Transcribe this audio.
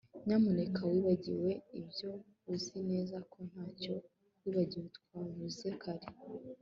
Nyamuneka wibagirwe ibyo Uzi neza ko ntacyo wibagiwe twavuze kare